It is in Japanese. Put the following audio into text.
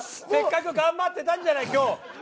せっかく頑張ってたんじゃない今日。